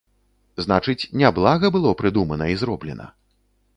Значыць, няблага было прыдумана і зроблена.